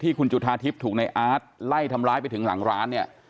คุณจุธาทิพย์ถูกในอาร์ตไล่ทำร้ายไปถึงหลังร้านเนี่ย